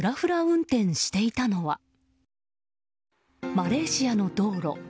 マレーシアの道路。